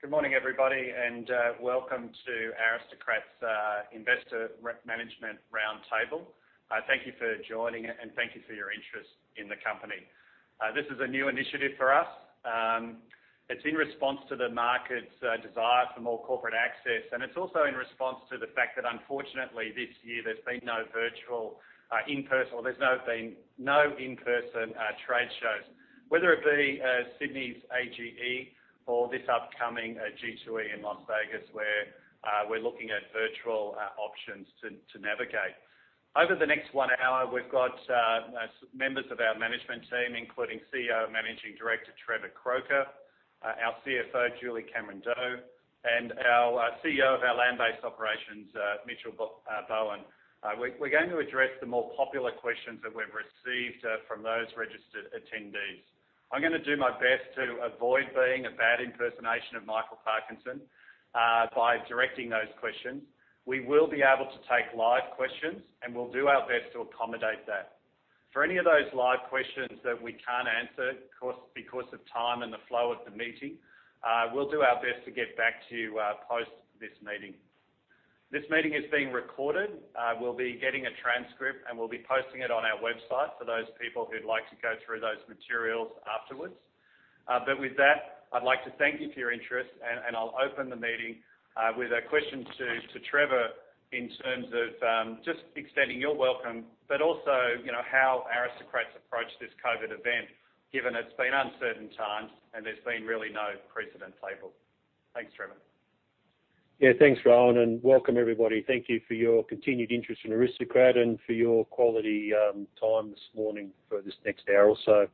Good morning, everybody, and welcome to Aristocrat's Investor Management Roundtable. Thank you for joining, and thank you for your interest in the company. This is a new initiative for us. It's in response to the market's desire for more corporate access, and it's also in response to the fact that, unfortunately, this year there's been no virtual in-person, or there's now been no in-person trade shows, whether it be Sydney's AGE or this upcoming G2E in Las Vegas, where we're looking at virtual options to navigate. Over the next one hour, we've got members of our management team, including CEO and Managing Director Trevor Croker, our CFO Julie Cameron-Doe, and our CEO of our Land-Based Operations, Mitchell Bowen. We're going to address the more popular questions that we've received from those registered attendees. I'm going to do my best to avoid being a bad impersonation of Michael Parkinson by directing those questions. We will be able to take live questions, and we'll do our best to accommodate that. For any of those live questions that we can't answer because of time and the flow of the meeting, we'll do our best to get back to you post this meeting. This meeting is being recorded. We'll be getting a transcript, and we'll be posting it on our website for those people who'd like to go through those materials afterwards. With that, I'd like to thank you for your interest, and I'll open the meeting with a question to Trevor in terms of just extending your welcome, but also how Aristocrat's approach this COVID event, given it's been uncertain times and there's been really no precedent label. Thanks, Trevor. Yeah, thanks, Rohan, and welcome, everybody. Thank you for your continued interest in Aristocrat and for your quality time this morning for this next hour or so.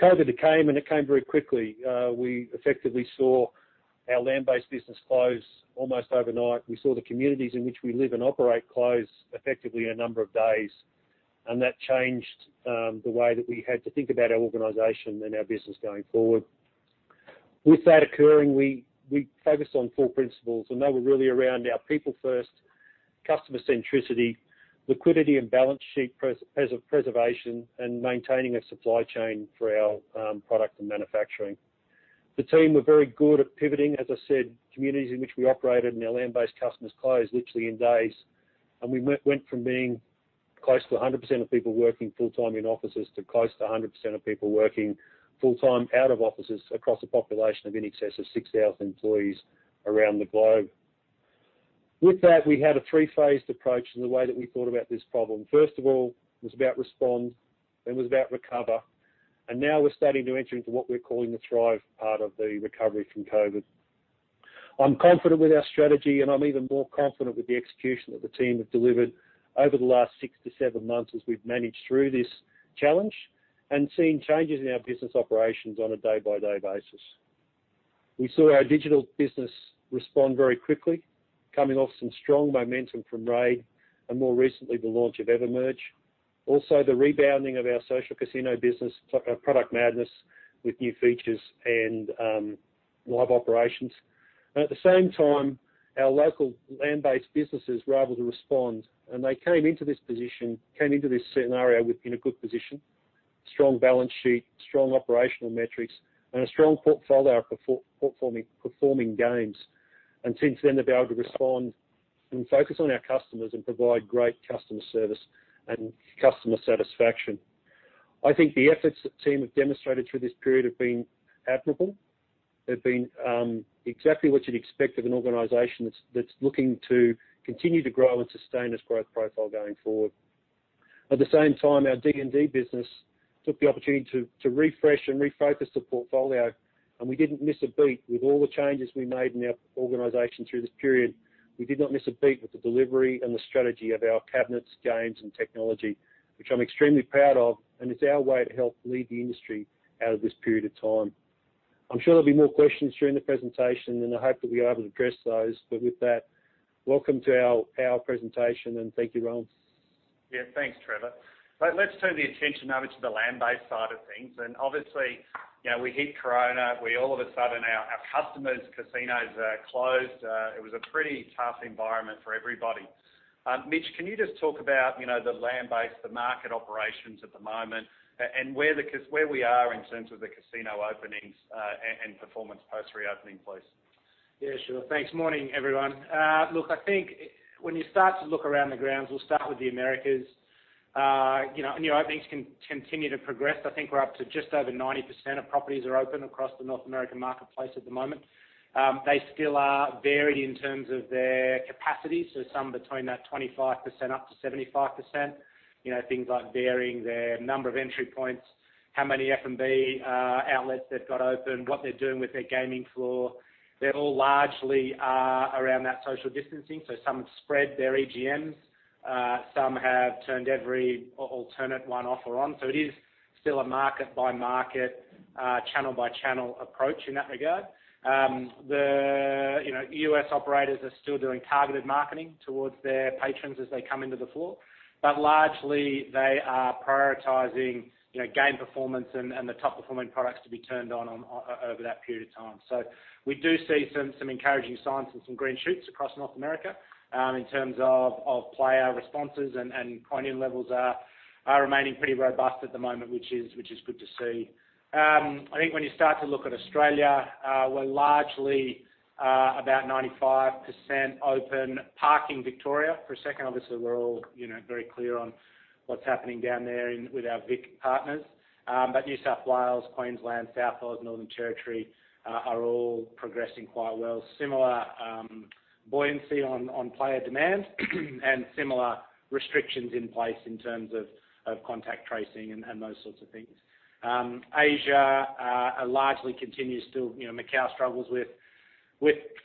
COVID came, and it came very quickly. We effectively saw our land-based business close almost overnight. We saw the communities in which we live and operate close effectively in a number of days, and that changed the way that we had to think about our organization and our business going forward. With that occurring, we focused on four principles, and they were really around our people first, customer centricity, liquidity and balance sheet preservation, and maintaining a supply chain for our product and manufacturing. The team were very good at pivoting, as I said, communities in which we operated, and our land-based customers closed literally in days. We went from being close to 100% of people working full-time in offices to close to 100% of people working full-time out of offices across a population of in excess of 6,000 employees around the globe. With that, we had a three-phased approach to the way that we thought about this problem. First of all, it was about respond, then it was about recover, and now we're starting to enter into what we're calling the thrive part of the recovery from COVID. I'm confident with our strategy, and I'm even more confident with the execution that the team have delivered over the last six to seven months as we've managed through this challenge and seen changes in our business operations on a day-by-day basis. We saw our digital business respond very quickly, coming off some strong momentum from RAID and more recently the launch of EverMerge. Also, the rebounding of our social casino business, Product Madness with new features and live operations. At the same time, our local land-based businesses were able to respond, and they came into this position, came into this scenario in a good position, strong balance sheet, strong operational metrics, and a strong portfolio of performing games. Since then, they've been able to respond and focus on our customers and provide great customer service and customer satisfaction. I think the efforts that the team have demonstrated through this period have been admirable. They've been exactly what you'd expect of an organization that's looking to continue to grow and sustain its growth profile going forward. At the same time, our D&D business took the opportunity to refresh and refocus the portfolio, and we didn't miss a beat with all the changes we made in our organization through this period. We did not miss a beat with the delivery and the strategy of our cabinets, games, and technology, which I'm extremely proud of, and it's our way to help lead the industry out of this period of time. I'm sure there'll be more questions during the presentation, and I hope that we are able to address those, but with that, welcome to our presentation, and thank you, Rohan. Yeah, thanks, Trevor. Let's turn the attention over to the land-based side of things. Obviously, we hit Corona. All of a sudden, our customers' casinos closed. It was a pretty tough environment for everybody. Mitch, can you just talk about the land-based, the market operations at the moment, and where we are in terms of the casino openings and performance post-reopening, please? Yeah, sure. Thanks. Morning, everyone. Look, I think when you start to look around the grounds, we'll start with the Americas. New openings can continue to progress. I think we're up to just over 90% of properties are open across the North American marketplace at the moment. They still are varied in terms of their capacity, so somewhere between that 25%-75%. Things like varying their number of entry points, how many F&B outlets they've got open, what they're doing with their gaming floor. They're all largely around that social distancing, so some have spread their EGMs. Some have turned every alternate one off or on, so it is still a market-by-market, channel-by-channel approach in that regard. The US operators are still doing targeted marketing towards their patrons as they come into the floor, but largely, they are prioritizing game performance and the top-performing products to be turned on over that period of time. We do see some encouraging signs and some green shoots across North America in terms of player responses, and coin-in levels are remaining pretty robust at the moment, which is good to see. I think when you start to look at Australia, we're largely about 95% open. Parking Victoria, for a second, obviously, we're all very clear on what's happening n there with our VIC Partners, but New South Wales, Queensland, South Australia, Northern Territory are all progressing quite well. Similar buoyancy on player demand and similar restrictions in place in terms of contact tracing and those sorts of things. Asia largely continues still. Macau struggles with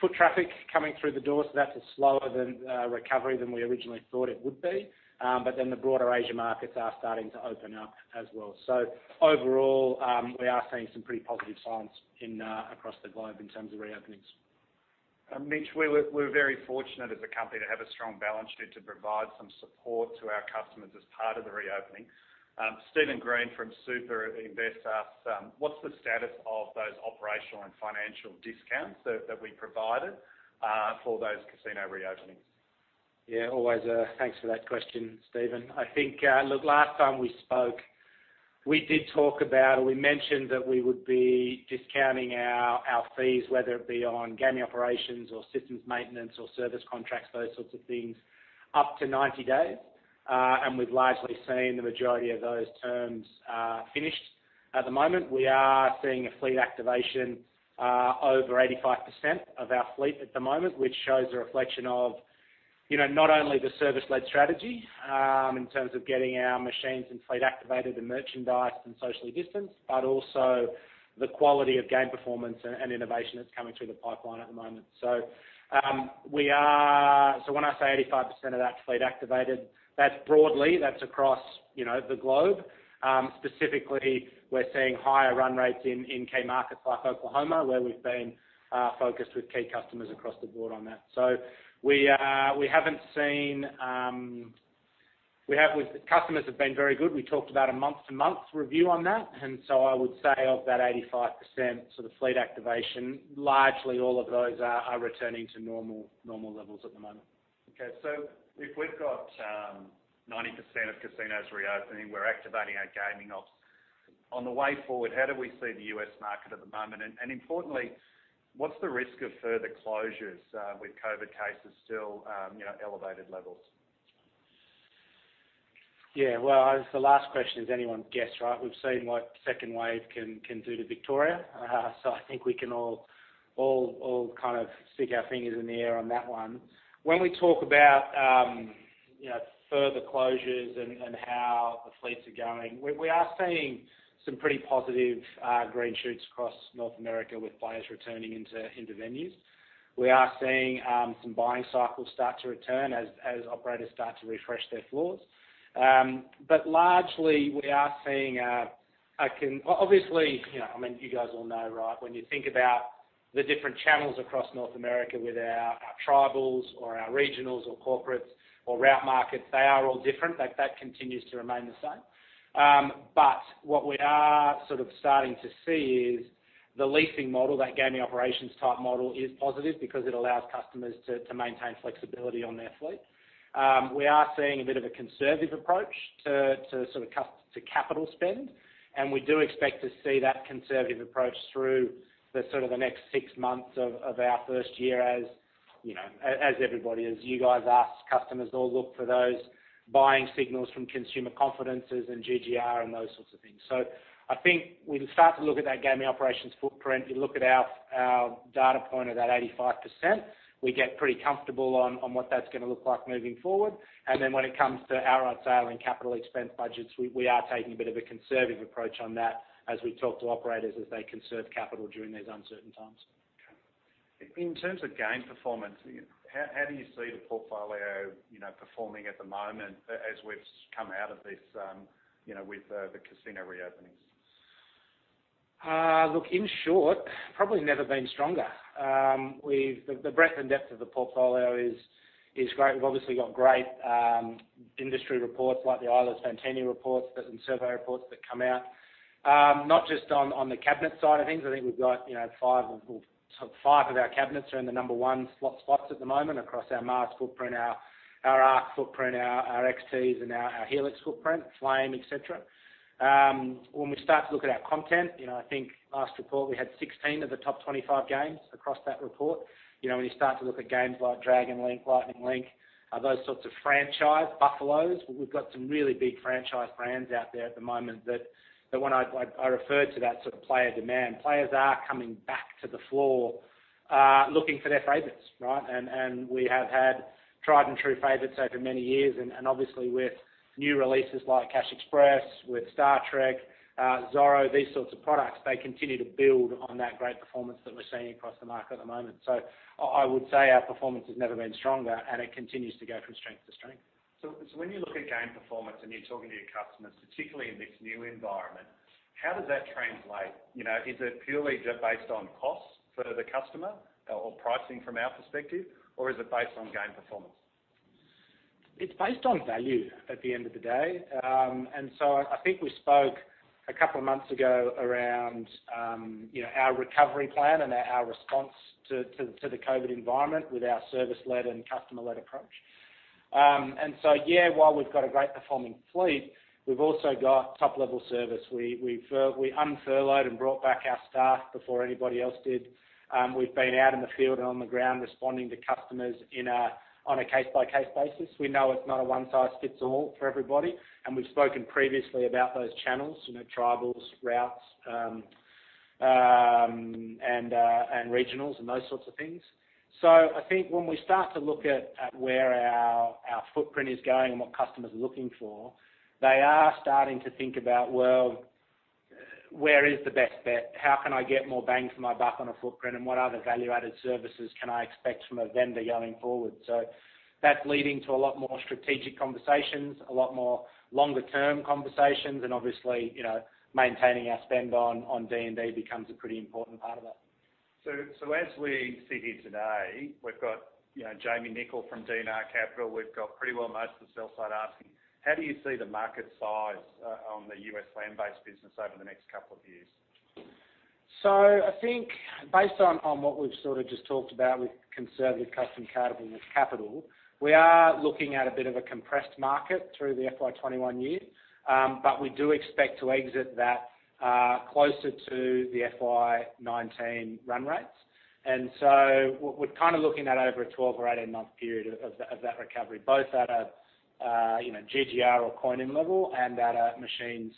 foot traffic coming through the door, so that's a slower recovery than we originally thought it would be, but then the broader Asia markets are starting to open up as well. Overall, we are seeing some pretty positive signs across the globe in terms of reopenings. Mitch, we're very fortunate as a company to have a strong balance sheet to provide some support to our customers as part of the reopening. Steven Green from Super Invest asked, "What's the status of those operational and financial discounts that we provided for those casino reopenings? Yeah, always thanks for that question, Steven. I think, look, last time we spoke, we did talk about, or we mentioned that we would be discounting our fees, whether it be on gaming operations or systems maintenance or service contracts, those sorts of things, up to 90 days, and we've largely seen the majority of those terms are finished. At the moment, we are seeing a fleet activation over 85% of our fleet at the moment, which shows a reflection of not only the service-led strategy in terms of getting our machines and fleet activated and merchandised and socially distanced, but also the quality of game performance and innovation that's coming through the pipeline at the moment. When I say 85% of that fleet activated, that's broadly, that's across the globe. Specifically, we're seeing higher run rates in key markets like Oklahoma, where we've been focused with key customers across the board on that. We haven't seen customers have been very good. We talked about a month-to-month review on that, and I would say of that 85% sort of fleet activation, largely all of those are returning to normal levels at the moment. Okay. If we've got 90% of casinos reopening, we're activating our gaming ops. On the way forward, how do we see the U.S. market at the moment? Importantly, what's the risk of further closures with COVID cases still at elevated levels? Yeah, the last question is anyone's guess, right? We've seen what second wave can do to Victoria, so I think we can all kind of stick our fingers in the air on that one. When we talk about further closures and how the fleets are going, we are seeing some pretty positive green shoots across North America with players returning into venues. We are seeing some buying cycles start to return as operators start to refresh their floors. Largely, we are seeing obviously, I mean, you guys all know, right? When you think about the different channels across North America with our tribals or our regionals or corporates or route markets, they are all different. That continues to remain the same. What we are sort of starting to see is the leasing model, that gaming operations type model, is positive because it allows customers to maintain flexibility on their fleet. We are seeing a bit of a conservative approach to sort of capital spend, and we do expect to see that conservative approach through sort of the next six months of our first year as everybody, as you guys asked, customers all look for those buying signals from consumer confidences and GGR and those sorts of things. I think we can start to look at that gaming operations footprint. You look at our data point of that 85%, we get pretty comfortable on what that's going to look like moving forward. When it comes to outright sale and capital expense budgets, we are taking a bit of a conservative approach on that as we talk to operators as they conserve capital during these uncertain times. In terms of game performance, how do you see the portfolio performing at the moment as we've come out of this with the casino reopenings? Look, in short, probably never been stronger. The breadth and depth of the portfolio is great. We've obviously got great industry reports like the Eilers-Fantini reports and survey reports that come out. Not just on the cabinet side of things. I think we've got five of our cabinets are in the number one slot spots at the moment across our footprint, our Arc footprint, our XTs, and our Helix footprint, Flame, et cetera. When we start to look at our content, I think last report we had 16 of the top 25 games across that report. When you start to look at games like Dragon Link, Lightning Link, those sorts of franchise Buffaloes, we've got some really big franchise brands out there at the moment that when I referred to that sort of player demand, players are coming back to the floor looking for their favorites, right? We have had tried-and-true favorites over many years, and obviously with new releases like Cash Express, with Star Trek, Zorro, these sorts of products, they continue to build on that great performance that we're seeing across the market at the moment. I would say our performance has never been stronger, and it continues to go from strength to strength. When you look at game performance and you're talking to your customers, particularly in this new environment, how does that translate? Is it purely based on cost for the customer or pricing from our perspective, or is it based on game performance? It's based on value at the end of the day. I think we spoke a couple of months ago around our recovery plan and our response to the COVID environment with our service-led and customer-led approach. Yeah, while we've got a great performing fleet, we've also got top-level service. We unfurloughed and brought back our staff before anybody else did. We've been out in the field and on the ground responding to customers on a case-by-case basis. We know it's not a one-size-fits-all for everybody, and we've spoken previously about those channels: tribals, routes, and regionals, and those sorts of things. I think when we start to look at where our footprint is going and what customers are looking for, they are starting to think about, "Well, where is the best bet? How can I get more bang for my buck on a footprint, and what other value-added services can I expect from a vendor going forward? That is leading to a lot more strategic conversations, a lot more longer-term conversations, and obviously, maintaining our spend on D&D becomes a pretty important part of that. As we sit here today, we've got Jamie Nicol from DNR Capital. We've got pretty well most of the sell side asking, "How do you see the market size on the U.S. land-based business over the next couple of years? I think based on what we've sort of just talked about with conservative customer capital, we are looking at a bit of a compressed market through the FY 2021 year, but we do expect to exit that closer to the FY 2019 run rates. We are kind of looking at over a 12 or 18-month period of that recovery, both at a GGR or coin-in level and at a machines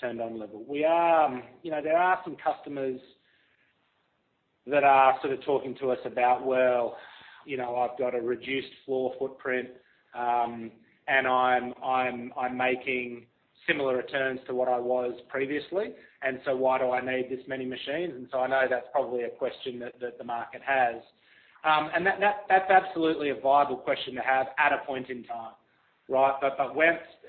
turned-on level. There are some customers that are sort of talking to us about, "Well, I've got a reduced floor footprint, and I'm making similar returns to what I was previously, and so why do I need this many machines?" I know that's probably a question that the market has. That's absolutely a viable question to have at a point in time, right?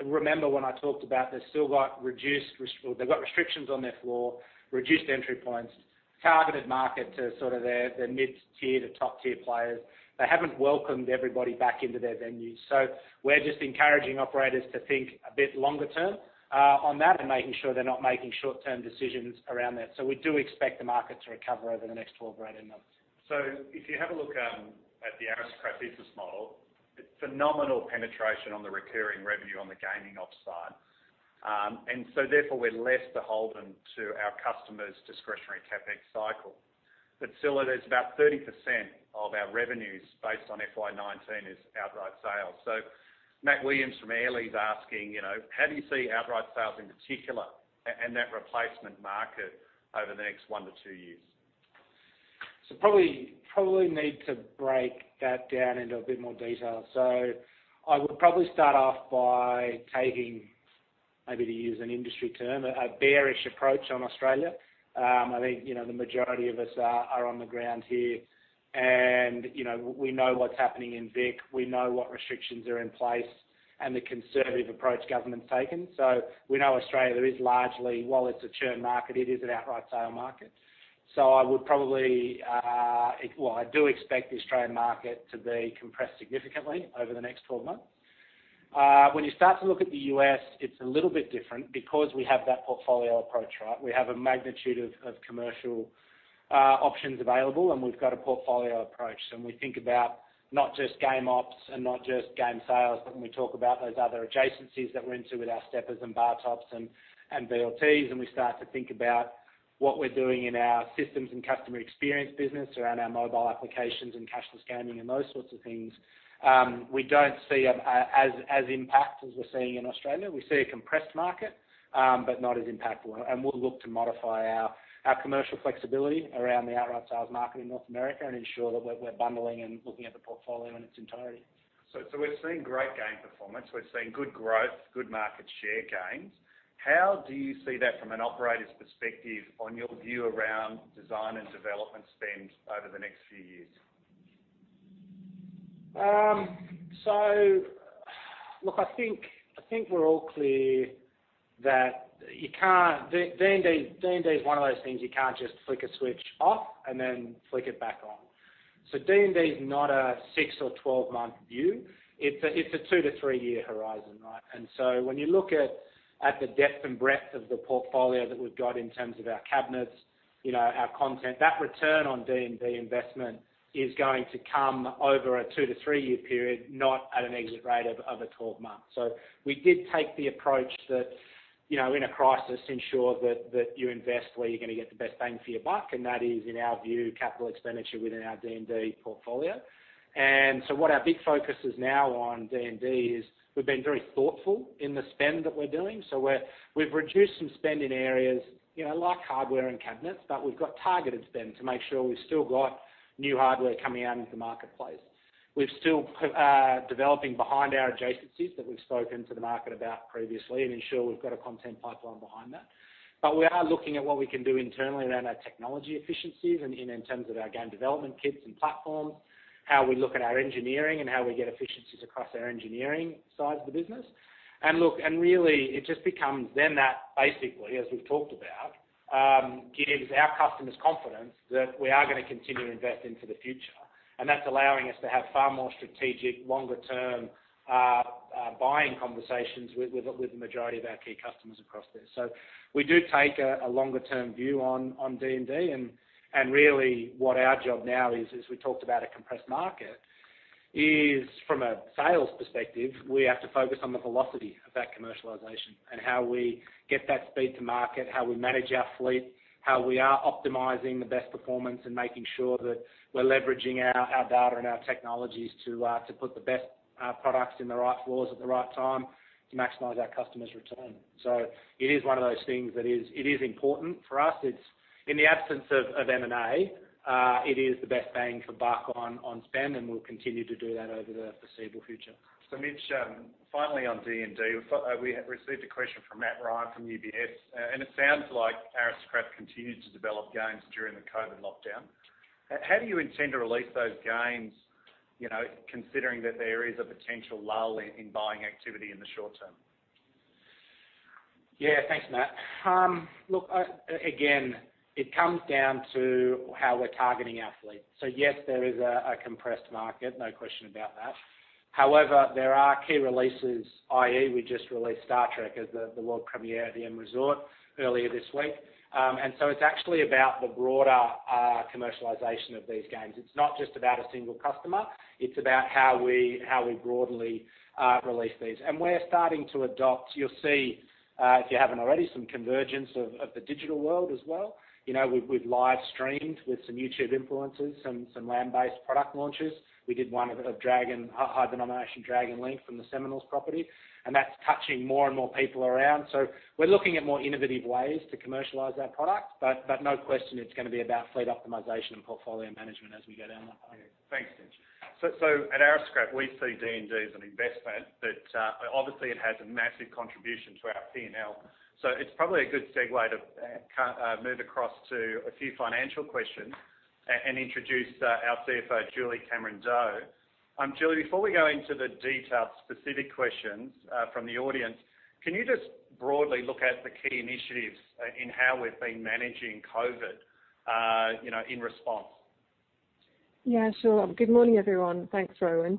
Remember when I talked about they've still got restrictions on their floor, reduced entry points, targeted market to sort of their mid-tier to top-tier players. They haven't welcomed everybody back into their venues. We are just encouraging operators to think a bit longer-term on that and making sure they're not making short-term decisions around that. We do expect the market to recover over the next 12 or 18 months. If you have a look at the Aristocrat Leisure model, it's phenomenal penetration on the recurring revenue on the gaming ops side. Therefore, we're less beholden to our customers' discretionary CapEx cycle. Still, it is about 30% of our revenues based on FY 2019 is outright sales. Matt Williams from Airlie asking, "How do you see outright sales in particular and that replacement market over the next one-two years? I probably need to break that down into a bit more detail. I would probably start off by taking, maybe to use an industry term, a bearish approach on Australia. I think the majority of us are on the ground here, and we know what's happening in VIC. We know what restrictions are in place and the conservative approach government's taken. We know Australia is largely, while it's a churn market, it is an outright sale market. I do expect the Australian market to be compressed significantly over the next 12 months. When you start to look at the U.S., it's a little bit different because we have that portfolio approach, right? We have a magnitude of commercial options available, and we've got a portfolio approach. When we think about not just game ops and not just game sales, but when we talk about those other adjacencies that we're into with our steppers and bar tops and VLTs, and we start to think about what we're doing in our systems and customer experience business around our mobile applications and cashless gaming and those sorts of things, we don't see as impact as we're seeing in Australia. We see a compressed market, but not as impactful. We will look to modify our commercial flexibility around the outright sales market in North America and ensure that we're bundling and looking at the portfolio in its entirety. We're seeing great game performance. We're seeing good growth, good market share gains. How do you see that from an operator's perspective on your view around design and development spend over the next few years? I think we're all clear that D&D is one of those things you can't just flick a switch off and then flick it back on. D&D is not a six or 12-month view. It's a two-three year horizon, right? When you look at the depth and breadth of the portfolio that we've got in terms of our cabinets, our content, that return on D&D investment is going to come over a two-three year period, not at an exit rate of a 12-month. We did take the approach that in a crisis, ensure that you invest where you're going to get the best bang for your buck, and that is, in our view, capital expenditure within our D&D portfolio. What our big focus is now on D&D is we've been very thoughtful in the spend that we're doing. We have reduced some spend in areas like hardware and cabinets, but we have got targeted spend to make sure we have still got new hardware coming out into the marketplace. We are still developing behind our adjacencies that we have spoken to the market about previously and ensure we have got a content pipeline behind that. We are looking at what we can do internally around our technology efficiencies and in terms of our game development kits and platforms, how we look at our engineering and how we get efficiencies across our engineering side of the business. Look, it just becomes then that basically, as we have talked about, gives our customers confidence that we are going to continue to invest into the future. That is allowing us to have far more strategic, longer-term buying conversations with the majority of our key customers across there. We do take a longer-term view on D&D, and really, what our job now is, as we talked about a compressed market, is from a sales perspective, we have to focus on the velocity of that commercialization and how we get that speed to market, how we manage our fleet, how we are optimizing the best performance and making sure that we're leveraging our data and our technologies to put the best products in the right floors at the right time to maximize our customers' return. It is one of those things that is important for us. In the absence of M&A, it is the best bang for buck on spend, and we'll continue to do that over the foreseeable future. Mitch, finally on D&D, we received a question from Matt Ryan from UBS, and it sounds like Aristocrat continues to develop games during the COVID lockdown. How do you intend to release those games considering that there is a potential lull in buying activity in the short term? Yeah, thanks, Matt. Look, again, it comes down to how we're targeting our fleet. Yes, there is a compressed market, no question about that. However, there are key releases, i.e., we just released Star Trek as the world premiere at the M Resort earlier this week. It's actually about the broader commercialization of these games. It's not just about a single customer. It's about how we broadly release these. We're starting to adopt, you'll see if you haven't already, some convergence of the digital world as well. We've live streamed with some YouTube influencers, some land-based product launches. We did one of high denomination Dragon Link from the Seminole's property, and that's touching more and more people around. We're looking at more innovative ways to commercialize our product, but no question it's going to be about fleet optimization and portfolio management as we go down that path. Thanks, Mitch. At Aristocrat, we see D&D as an investment that obviously has a massive contribution to our P&L. It is probably a good segue to move across to a few financial questions and introduce our CFO, Julie Cameron-Doe. Julie, before we go into the detailed specific questions from the audience, can you just broadly look at the key initiatives in how we have been managing COVID in response? Yeah, sure. Good morning, everyone. Thanks, Rohan.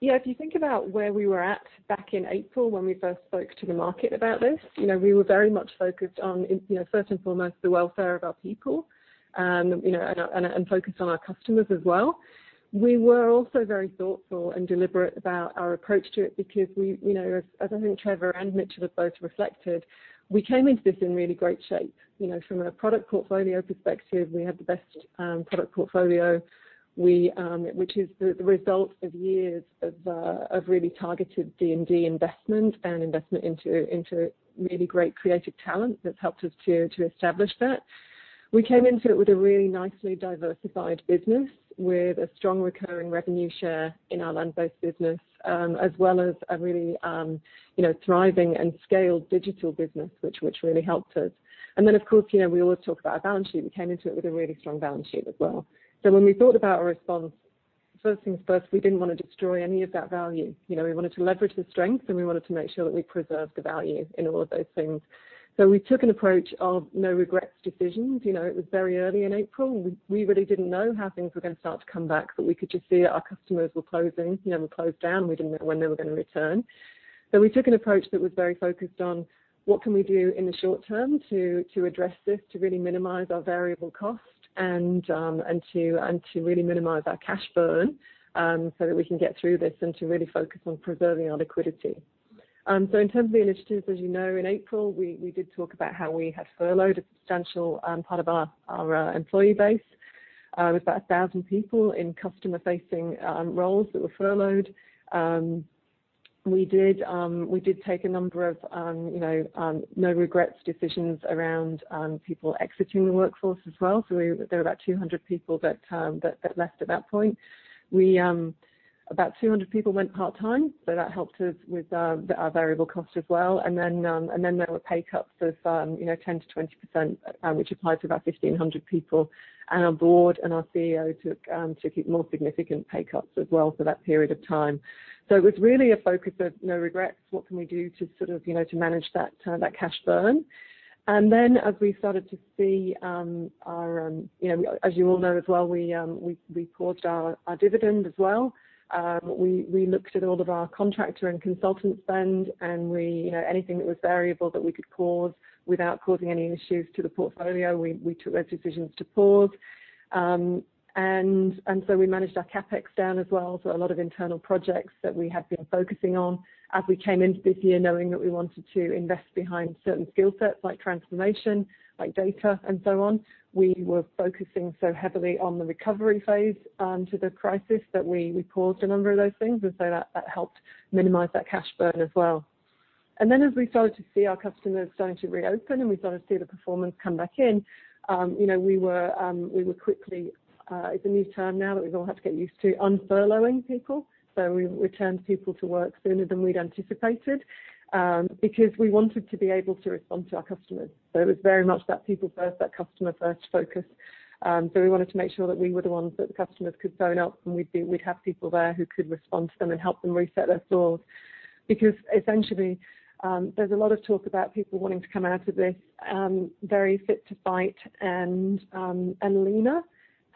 Yeah, if you think about where we were at back in April when we first spoke to the market about this, we were very much focused on, first and foremost, the welfare of our people and focused on our customers as well. We were also very thoughtful and deliberate about our approach to it because, as I think Trevor and Mitchell have both reflected, we came into this in really great shape. From a product portfolio perspective, we had the best product portfolio, which is the result of years of really targeted D&D investment and investment into really great creative talent that's helped us to establish that. We came into it with a really nicely diversified business with a strong recurring revenue share in our land-based business, as well as a really thriving and scaled digital business, which really helped us. Of course, we always talk about our balance sheet. We came into it with a really strong balance sheet as well. When we thought about our response, first things first, we did not want to destroy any of that value. We wanted to leverage the strength, and we wanted to make sure that we preserved the value in all of those things. We took an approach of no regrets decisions. It was very early in April. We really did not know how things were going to start to come back, but we could just see that our customers were closing. They were closed down. We did not know when they were going to return. We took an approach that was very focused on what can we do in the short term to address this, to really minimize our variable cost and to really minimize our cash burn so that we can get through this and to really focus on preserving our liquidity. In terms of the initiatives, as you know, in April, we did talk about how we had furloughed a substantial part of our employee base. It was about 1,000 people in customer-facing roles that were furloughed. We did take a number of no regrets decisions around people exiting the workforce as well. There were about 200 people that left at that point. About 200 people went part-time, so that helped us with our variable cost as well. There were pay cuts of 10%-20%, which applied to about 1,500 people. Our board and our CEO took more significant pay cuts as well for that period of time. It was really a focus of no regrets, what can we do to sort of manage that cash burn. As you all know as well, we paused our dividend as well. We looked at all of our contractor and consultant spend, and anything that was variable that we could pause without causing any issues to the portfolio, we took those decisions to pause. We managed our CapEx down as well. A lot of internal projects that we had been focusing on, as we came into this year knowing that we wanted to invest behind certain skill sets like transformation, like data, and so on, we were focusing so heavily on the recovery phase to the crisis that we paused a number of those things. That helped minimize that cash burn as well. As we started to see our customers starting to reopen and we started to see the performance come back in, we were quickly—it's a new term now that we've all had to get used to—unfurloughing people. We returned people to work sooner than we'd anticipated because we wanted to be able to respond to our customers. It was very much that people first, that customer first focus. We wanted to make sure that we were the ones that the customers could phone up, and we'd have people there who could respond to them and help them reset their floors. Because essentially, there's a lot of talk about people wanting to come out of this very fit to fight and leaner.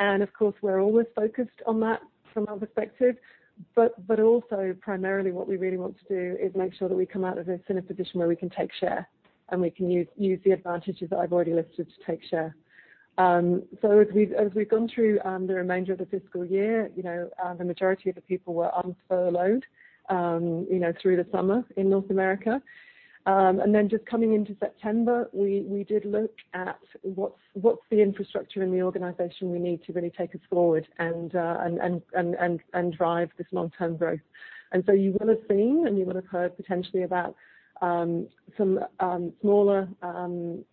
Of course, we're always focused on that from our perspective. Also, primarily, what we really want to do is make sure that we come out of this in a position where we can take share and we can use the advantages that I've already listed to take share. As we've gone through the remainder of the fiscal year, the majority of the people were unfurloughed through the summer in North America. Just coming into September, we did look at what's the infrastructure in the organization we need to really take us forward and drive this long-term growth. You will have seen and you will have heard potentially about some smaller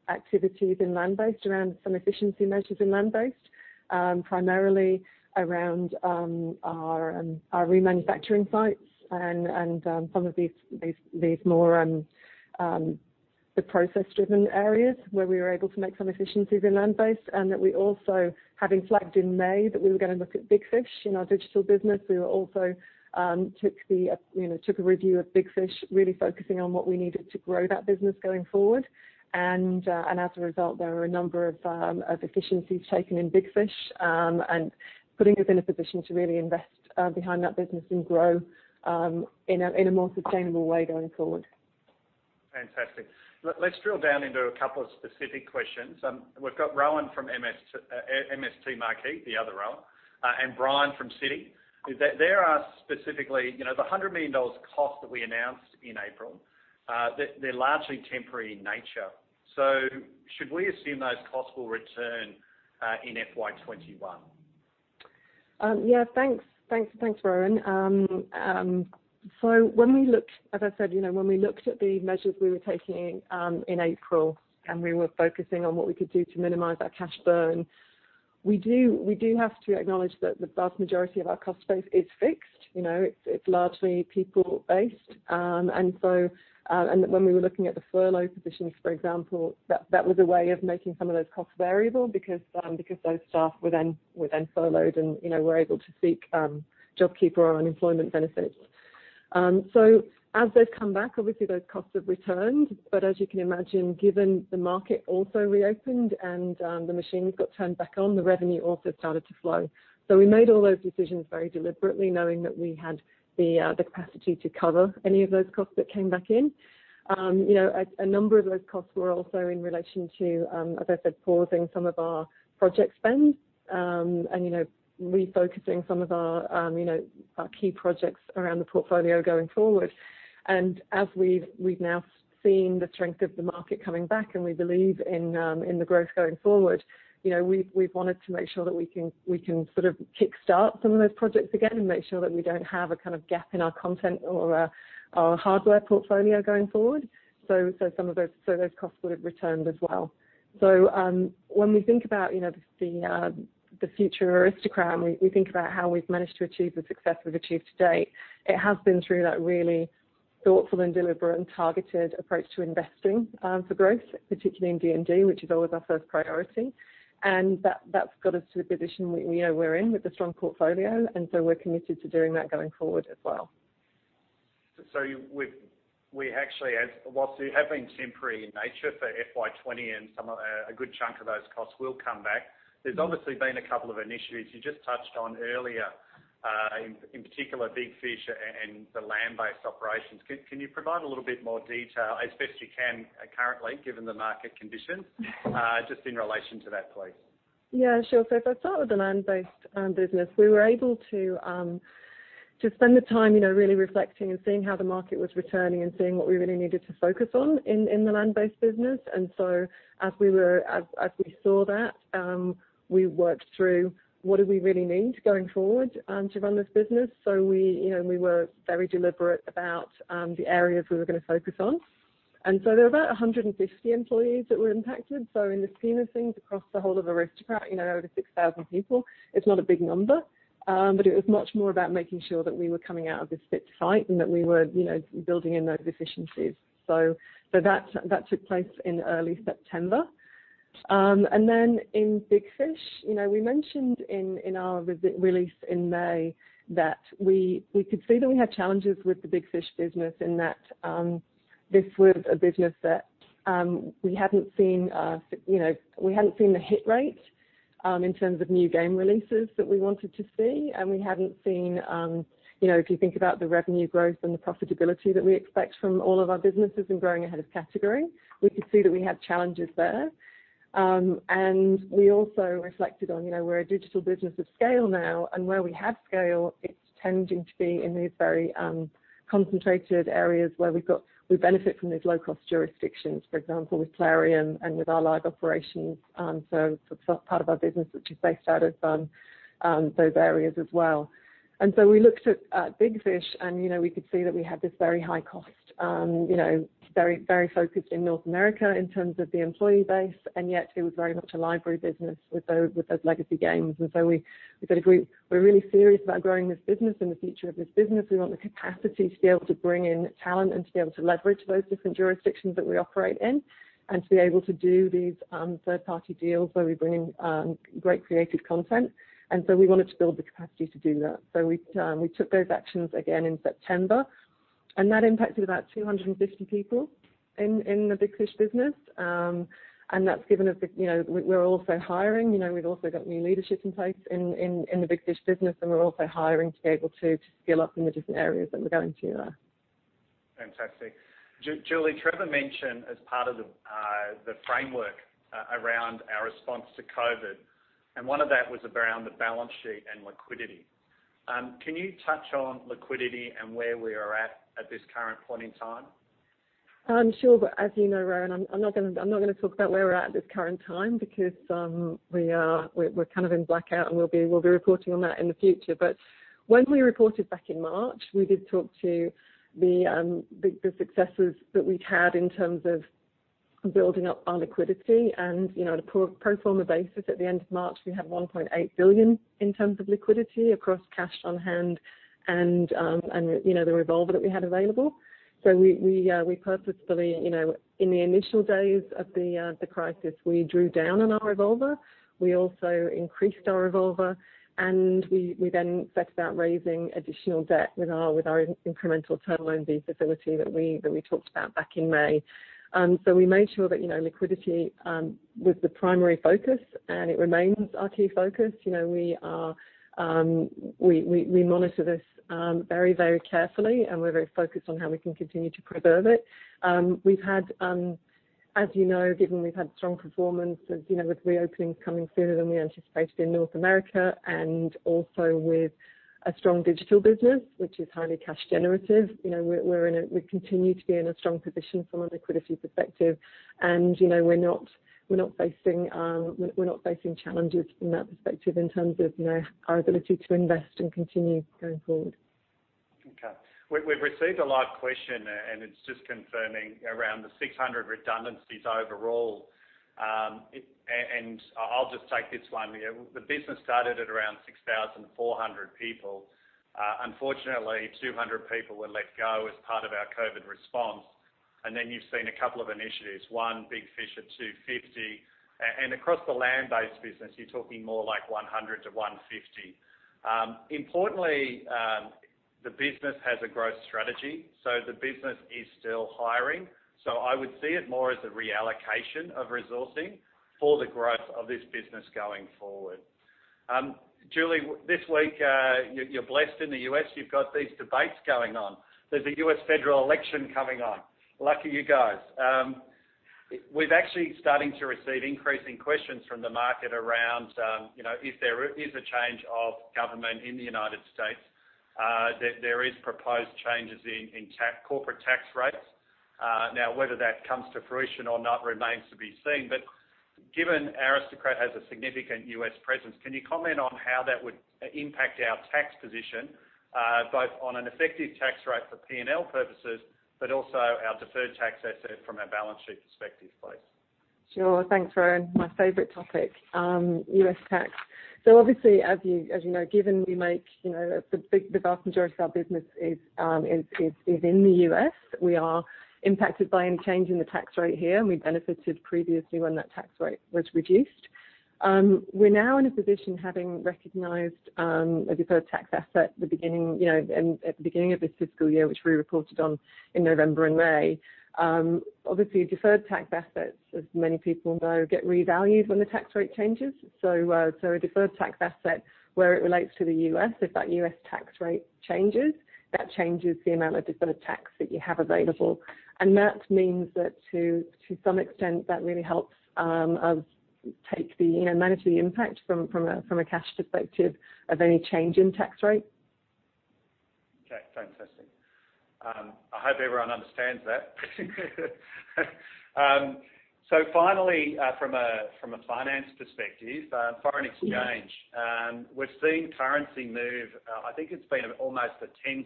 activities in land-based around some efficiency measures in land-based, primarily around our remanufacturing sites and some of these more process-driven areas where we were able to make some efficiencies in land-based. We also, having flagged in May that we were going to look at Big Fish in our digital business, took a review of Big Fish, really focusing on what we needed to grow that business going forward. As a result, there were a number of efficiencies taken in Big Fish and putting us in a position to really invest behind that business and grow in a more sustainable way going forward. Fantastic. Let's drill down into a couple of specific questions. We've got Rohan from MST Marquee, the other Rohan, and Brian from Citi. There are specifically the $100 million cost that we announced in April, they're largely temporary in nature. Should we assume those costs will return in FY 2021? Yeah, thanks. Thanks, Rohan. When we looked—as I said, when we looked at the measures we were taking in April and we were focusing on what we could do to minimize our cash burn, we do have to acknowledge that the vast majority of our cost base is fixed. It's largely people-based. When we were looking at the furlough positions, for example, that was a way of making some of those costs variable because those staff were then furloughed and were able to seek JobKeeper or unemployment benefits. As they've come back, obviously, those costs have returned. As you can imagine, given the market also reopened and the machines got turned back on, the revenue also started to flow. We made all those decisions very deliberately, knowing that we had the capacity to cover any of those costs that came back in. A number of those costs were also in relation to, as I said, pausing some of our project spend and refocusing some of our key projects around the portfolio going forward. As we've now seen the strength of the market coming back and we believe in the growth going forward, we've wanted to make sure that we can sort of kickstart some of those projects again and make sure that we don't have a kind of gap in our content or our hardware portfolio going forward. Some of those costs would have returned as well. When we think about the future of Aristocrat and we think about how we've managed to achieve the success we've achieved to date, it has been through that really thoughtful and deliberate and targeted approach to investing for growth, particularly in D&D, which is always our first priority. That's got us to the position we know we're in with the strong portfolio. We're committed to doing that going forward as well. We actually, whilst it has been temporary in nature for FY 2020, and a good chunk of those costs will come back, there's obviously been a couple of initiatives you just touched on earlier, in particular, Big Fish and the land-based operations. Can you provide a little bit more detail, as best you can currently, given the market conditions, just in relation to that, please? Yeah, sure. If I start with the land-based business, we were able to spend the time really reflecting and seeing how the market was returning and seeing what we really needed to focus on in the land-based business. As we saw that, we worked through what do we really need going forward to run this business. We were very deliberate about the areas we were going to focus on. There were about 150 employees that were impacted. In the scheme of things across the whole of Aristocrat, over 6,000 people, it's not a big number. It was much more about making sure that we were coming out of this fit to fight and that we were building in those efficiencies. That took place in early September. In Big Fish, we mentioned in our release in May that we could see that we had challenges with the Big Fish business in that this was a business that we had not seen the hit rate in terms of new game releases that we wanted to see. We had not seen, if you think about the revenue growth and the profitability that we expect from all of our businesses and growing ahead of category, we could see that we had challenges there. We also reflected on we're a digital business of scale now. Where we have scale, it is tending to be in these very concentrated areas where we benefit from these low-cost jurisdictions, for example, with Plarium and with our live operations. Part of our business is based out of those areas as well. We looked at Big Fish, and we could see that we had this very high cost, very focused in North America in terms of the employee base. Yet it was very much a library business with those legacy games. We said, "We're really serious about growing this business and the future of this business. We want the capacity to be able to bring in talent and to be able to leverage those different jurisdictions that we operate in and to be able to do these third-party deals where we bring in great creative content." We wanted to build the capacity to do that. We took those actions again in September. That impacted about 250 people in the Big Fish business. That has given us the we're also hiring. We've also got new leadership in place in the Big Fish business, and we're also hiring to be able to skill up in the different areas that we're going to. Fantastic. Julie, Trevor mentioned as part of the framework around our response to COVID, and one of that was around the balance sheet and liquidity. Can you touch on liquidity and where we are at at this current point in time? Sure. But as you know, Rohan, I'm not going to talk about where we're at at this current time because we're kind of in blackout, and we'll be reporting on that in the future. When we reported back in March, we did talk to the successes that we'd had in terms of building up our liquidity. On a pro forma basis, at the end of March, we had $1.8 billion in terms of liquidity across cash on hand and the revolver that we had available. We purposefully, in the initial days of the crisis, drew down on our revolver. We also increased our revolver, and we then set about raising additional debt with our incremental term loan fee facility that we talked about back in May. We made sure that liquidity was the primary focus, and it remains our key focus. We monitor this very, very carefully, and we're very focused on how we can continue to preserve it. We've had, as you know, given we've had strong performance with reopenings coming sooner than we anticipated in North America and also with a strong digital business, which is highly cash generative. We continue to be in a strong position from a liquidity perspective. We're not facing challenges from that perspective in terms of our ability to invest and continue going forward. Okay. We've received a live question, and it's just confirming around the 600 redundancies overall. I'll just take this one. The business started at around 6,400 people. Unfortunately, 200 people were let go as part of our COVID response. Then you've seen a couple of initiatives, one Big Fish at 250. Across the land-based business, you're talking more like 100-150. Importantly, the business has a growth strategy. The business is still hiring. I would see it more as a reallocation of resourcing for the growth of this business going forward. Julie, this week, you're blessed in the U.S. You've got these debates going on. There's a U.S. federal election coming on. Lucky you guys. We're actually starting to receive increasing questions from the market around if there is a change of government in the United States. There are proposed changes in corporate tax rates. Now, whether that comes to fruition or not remains to be seen. Given Aristocrat has a significant U.S. presence, can you comment on how that would impact our tax position, both on an effective tax rate for P&L purposes, but also our deferred tax asset from a balance sheet perspective, please? Sure. Thanks, Rohan. My favorite topic, U.S. tax. Obviously, as you know, given we make the vast majority of our business is in the U.S., we are impacted by any change in the tax rate here. We benefited previously when that tax rate was reduced. We're now in a position having recognized a deferred tax asset at the beginning of this fiscal year, which we reported on in November and May. Obviously, deferred tax assets, as many people know, get revalued when the tax rate changes. A deferred tax asset, where it relates to the U.S., if that U.S. tax rate changes, that changes the amount of deferred tax that you have available. That means that to some extent, that really helps us manage the impact from a cash perspective of any change in tax rate. Okay. Fantastic. I hope everyone understands that. Finally, from a finance perspective, foreign exchange, we've seen currency move. I think it's been almost a $0.10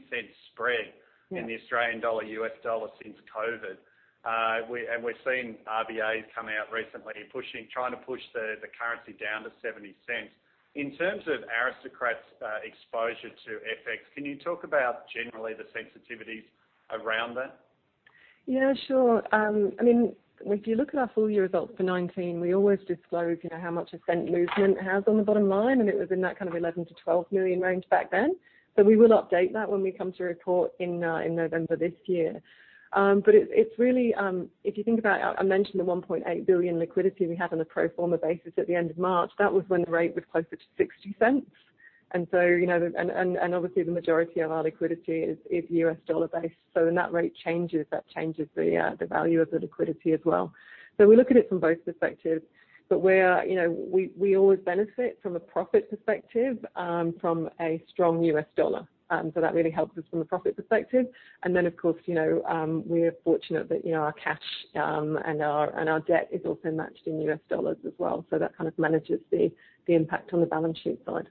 spread in the Australian dollar/U.S. dollar since COVID. We've seen RBA come out recently trying to push the currency down to $0.70. In terms of Aristocrat's exposure to FX, can you talk about generally the sensitivities around that? Yeah, sure. I mean, if you look at our full year results for 2019, we always disclose how much a cent movement has on the bottom line. It was in that kind of $11 million-$12 million range back then. We will update that when we come to report in November this year. It is really, if you think about, I mentioned the $1.8 billion liquidity we had on a pro forma basis at the end of March. That was when the rate was closer to $0.60. Obviously, the majority of our liquidity is U.S. dollar based. When that rate changes, that changes the value of the liquidity as well. We look at it from both perspectives. We always benefit from a profit perspective from a strong U.S. dollar. That really helps us from the profit perspective. Of course, we're fortunate that our cash and our debt is also matched in U.S. dollars as well. That kind of manages the impact on the balance sheet side.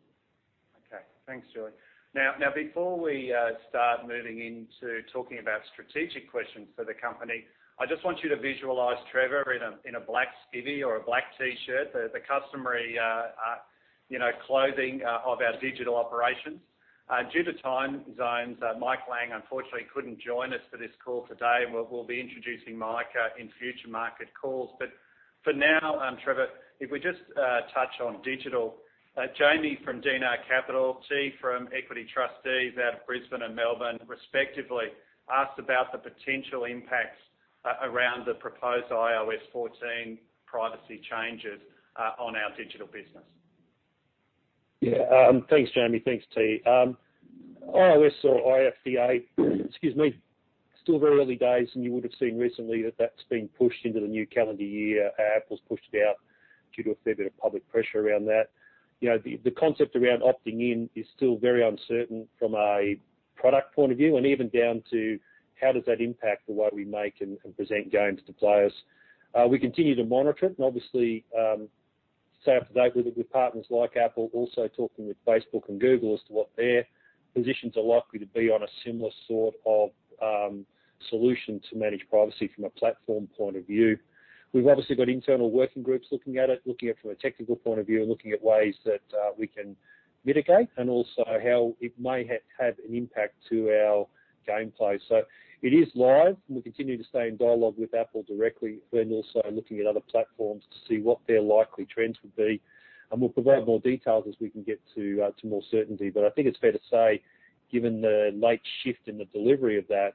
Okay. Thanks, Julie. Now, before we start moving into talking about strategic questions for the company, I just want you to visualize Trevor in a black skivvy or a black T-shirt, the customary clothing of our digital operations. Due to time zones, Mike Lang, unfortunately, couldn't join us for this call today. We'll be introducing Mike in future market calls. For now, Trevor, if we just touch on digital, Jamie from DNR Capital, Thi from Equity Trustees out of Brisbane and Melbourne, respectively, asked about the potential impacts around the proposed iOS 14 privacy changes on our digital business. Yeah. Thanks, Jamie. Thanks, Thi. iOS or IDFA, excuse me, still very early days. You would have seen recently that that's been pushed into the new calendar year. Apple's pushed it out due to a fair bit of public pressure around that. The concept around opting in is still very uncertain from a product point of view and even down to how does that impact the way we make and present games to players. We continue to monitor it. Obviously, stay up to date with it with partners like Apple, also talking with Facebook and Google as to what their positions are likely to be on a similar sort of solution to manage privacy from a platform point of view. We've obviously got internal working groups looking at it, looking at it from a technical point of view, looking at ways that we can mitigate and also how it may have an impact to our gameplay. It is live, and we continue to stay in dialogue with Apple directly and also looking at other platforms to see what their likely trends would be. We will provide more details as we can get to more certainty. I think it's fair to say, given the late shift in the delivery of that,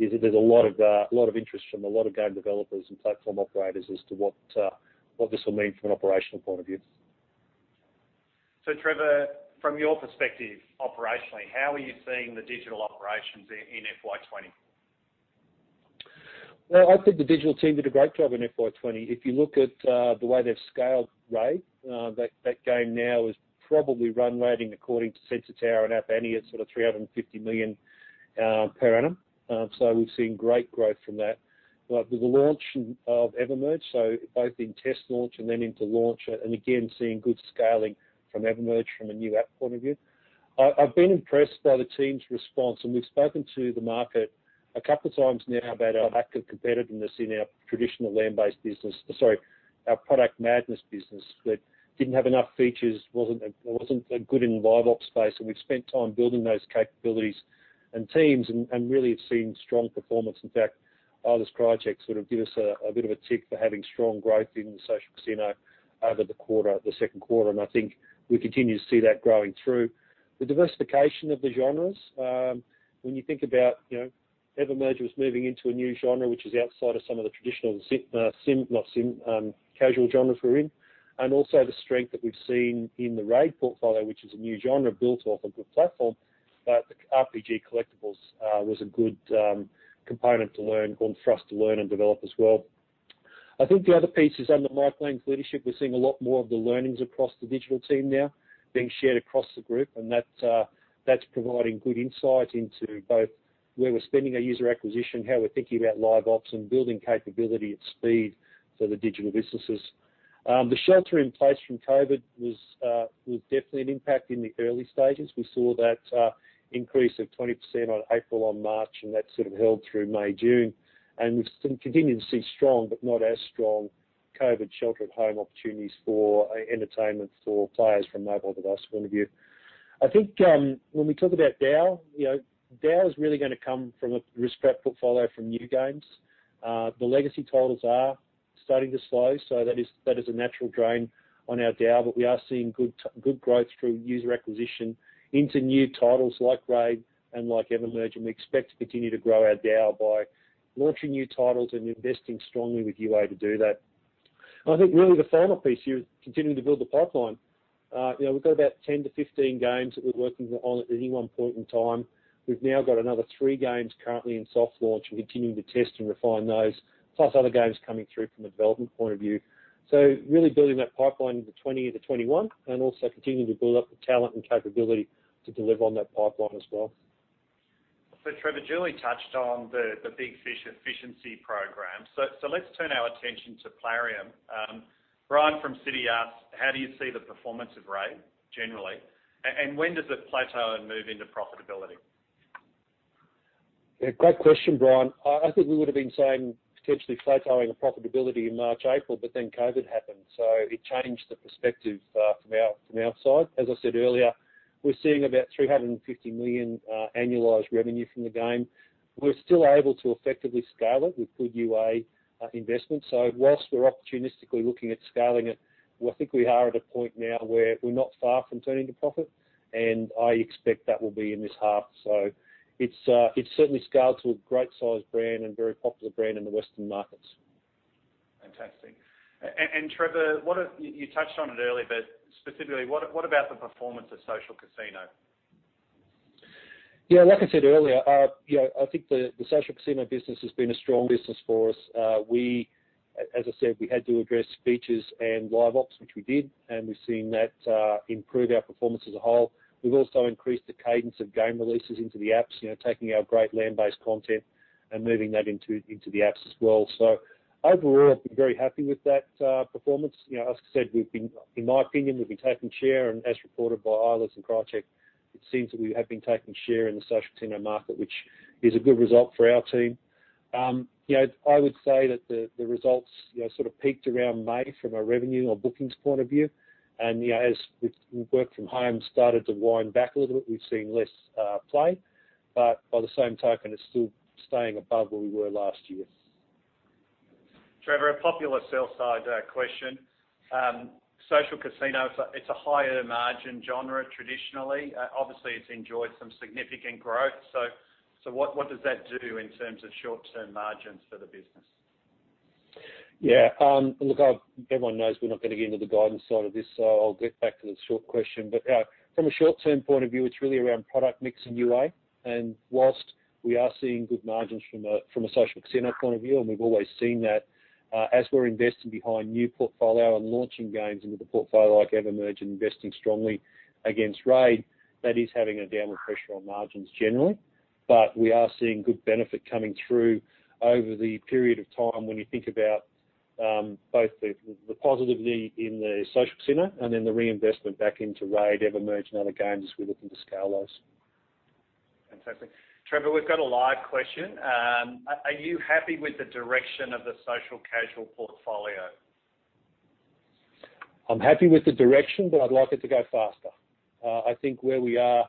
there's a lot of interest from a lot of game developers and platform operators as to what this will mean from an operational point of view. Trevor, from your perspective, operationally, how are you seeing the digital operations in FY 2020? I think the digital team did a great job in FY 2020. If you look at the way they've scaled RAID, that game now is probably run rating according to Sensor Tower and App Annie at sort of $350 million per annum. We have seen great growth from that. With the launch of EverMerge, both in test launch and then into launch, and again seeing good scaling from EverMerge from a new app point of view. I've been impressed by the team's response. We have spoken to the market a couple of times now about our lack of competitiveness in our traditional land-based business, sorry, our Product Madness business that did not have enough features, was not good in the LiveOps space. We have spent time building those capabilities and teams and really have seen strong performance. In fact, Eilers Krejcik sort of give us a bit of a tick for having strong growth in the social casino over the second quarter. I think we continue to see that growing through. The diversification of the genres, when you think about EverMerge was moving into a new genre, which is outside of some of the traditional sim, not sim, casual genres we're in, and also the strength that we've seen in the RAID portfolio, which is a new genre built off of the platform. The RPG collectibles was a good component to learn on for us to learn and develop as well. I think the other piece is under Mike Lang's leadership, we're seeing a lot more of the learnings across the digital team now being shared across the group. That is providing good insight into both where we're spending our user acquisition, how we're thinking about LiveOps and building capability at speed for the digital businesses. The shelter in place from COVID was definitely an impact in the early stages. We saw that increase of 20% in April, on March, and that sort of held through May, June. We have continued to see strong but not as strong COVID shelter at home opportunities for entertainment for players from a mobile device point of view. I think when we talk about DAU, DAU is really going to come from a risk-prepped portfolio from new games. The legacy titles are starting to slow. That is a natural drain on our DAU. We are seeing good growth through user acquisition into new titles like RAID and like EverMerge. We expect to continue to grow our DAU by launching new titles and investing strongly with UA to do that. I think really the final piece here is continuing to build the pipeline. We have about 10-15 games that we are working on at any one point in time. We now have another three games currently in soft launch and continuing to test and refine those, plus other games coming through from a development point of view. Really building that pipeline into 2020 into 2021 and also continuing to build up the talent and capability to deliver on that pipeline as well. Trevor, Julie touched on the big efficiency program. Let's turn our attention to Plarium. Brian from Citi asked, how do you see the performance of RAID generally? And when does it plateau and move into profitability? Yeah. Great question, Brian. I think we would have been saying potentially plateauing in profitability in March, April, but then COVID happened. It changed the perspective from our side. As I said earlier, we're seeing about $350 million annualized revenue from the game. We're still able to effectively scale it with good UA investment. Whilst we're opportunistically looking at scaling it, I think we are at a point now where we're not far from turning to profit. I expect that will be in this half. It has certainly scaled to a great-sized brand and very popular brand in the Western markets. Fantastic. Trevor, you touched on it earlier, but specifically, what about the performance of social casino? Yeah. Like I said earlier, I think the social casino business has been a strong business for us. As I said, we had to address features and LiveOps, which we did. We've seen that improve our performance as a whole. We've also increased the cadence of game releases into the apps, taking our great land-based content and moving that into the apps as well. Overall, I've been very happy with that performance. As I said, in my opinion, we've been taking share. As reported by Eilers & Krejcik, it seems that we have been taking share in the social casino market, which is a good result for our team. I would say that the results sort of peaked around May from a revenue or bookings point of view. As we've worked from home, started to wind back a little bit. We've seen less play. By the same token, it's still staying above where we were last year. Trevor, a popular sell-side question. Social casino, it's a higher margin genre traditionally. Obviously, it's enjoyed some significant growth. What does that do in terms of short-term margins for the business? Yeah. Look, everyone knows we're not going to get into the guidance side of this. I'll get back to the short question. From a short-term point of view, it's really around product mix and UA. Whilst we are seeing good margins from a social casino point of view, and we've always seen that as we're investing behind new portfolio and launching games into the portfolio like EverMerge and investing strongly against RAID, that is having a downward pressure on margins generally. We are seeing good benefit coming through over the period of time when you think about both the positivity in the social casino and then the reinvestment back into RAID, EverMerge, and other games as we're looking to scale those. Fantastic. Trevor, we've got a live question. Are you happy with the direction of the social casual portfolio? I'm happy with the direction, but I'd like it to go faster. I think where we are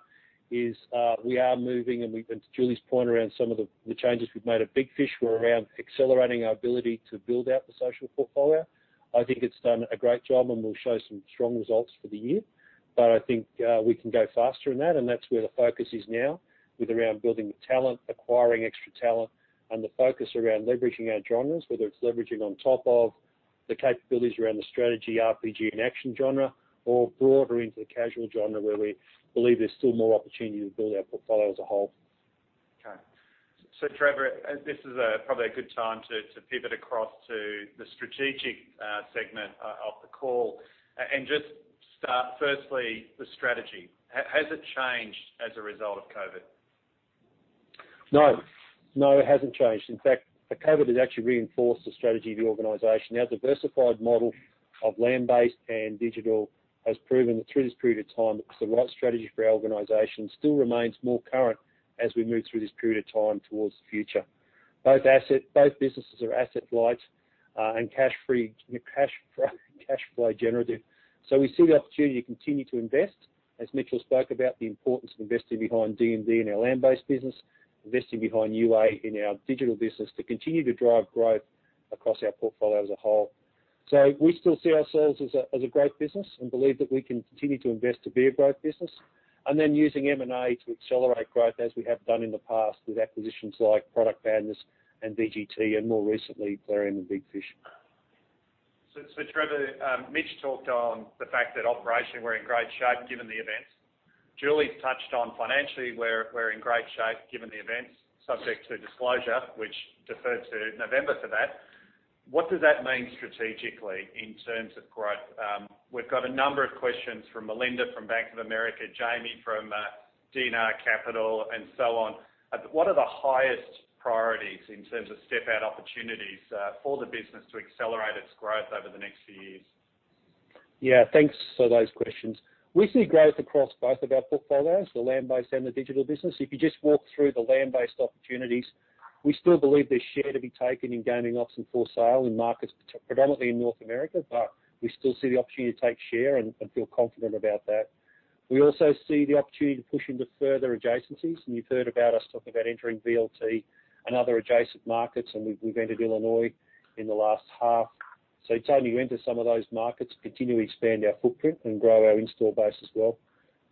is we are moving, and to Julie's point around some of the changes we've made at Big Fish, we're around accelerating our ability to build out the social portfolio. I think it's done a great job and will show some strong results for the year. I think we can go faster in that. That's where the focus is now with around building the talent, acquiring extra talent, and the focus around leveraging our genres, whether it's leveraging on top of the capabilities around the strategy, RPG, and action genre, or broader into the casual genre where we believe there's still more opportunity to build our portfolio as a whole. Okay. Trevor, this is probably a good time to pivot across to the strategic segment of the call. Just firstly, the strategy. Has it changed as a result of COVID? No. No, it hasn't changed. In fact, COVID has actually reinforced the strategy of the organization. Our diversified model of land-based and digital has proven that through this period of time, it's the right strategy for our organization. It still remains more current as we move through this period of time towards the future. Both businesses are asset-light and cash flow generative. We see the opportunity to continue to invest. As Mitchell spoke about, the importance of investing behind D&D in our land-based business, investing behind UA in our digital business to continue to drive growth across our portfolio as a whole. We still see ourselves as a growth business and believe that we can continue to invest to be a growth business. Using M&A to accelerate growth as we have done in the past with acquisitions like Product Madness and VGT, and more recently, Plarium and Big Fish. Trevor, Mitch talked on the fact that operationally we're in great shape given the events. Julie's touched on financially we're in great shape given the events, subject to disclosure, which deferred to November for that. What does that mean strategically in terms of growth? We've got a number of questions from Melinda from Bank of America, Jamie from DNR Capital, and so on. What are the highest priorities in terms of step-out opportunities for the business to accelerate its growth over the next few years? Yeah. Thanks for those questions. We see growth across both of our portfolios, the land-based and the digital business. If you just walk through the land-based opportunities, we still believe there's share to be taken in gaming ops and for sale in markets predominantly in North America. We still see the opportunity to take share and feel confident about that. We also see the opportunity to push into further adjacencies. You've heard about us talk about entering VLT and other adjacent markets. We've entered Illinois in the last half. It is only to enter some of those markets, continue to expand our footprint, and grow our in-store base as well.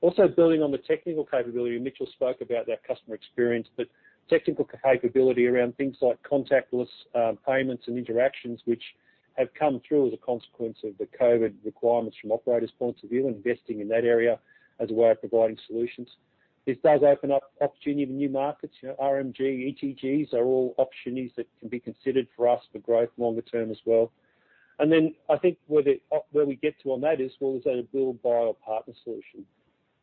Also, building on the technical capability, Mitchell spoke about that customer experience, but technical capability around things like contactless payments and interactions, which have come through as a consequence of the COVID requirements from operators' points of view and investing in that area as a way of providing solutions. This does open up opportunity in new markets. RMG, ETGs are all opportunities that can be considered for us for growth longer term as well. I think where we get to on that is, well, is that a build-by-partner solution?